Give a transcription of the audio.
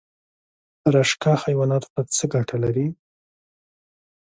رشقه حیواناتو ته څه ګټه لري؟